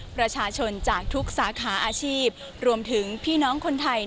ประชาชนจากทุกสาขาอาชีพรวมถึงพี่น้องคนไทย